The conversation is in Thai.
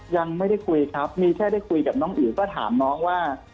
ยังไม่ได้คุยครับมีแค่ได้คุยกับน้องอิ๋วก็ถามน้องว่า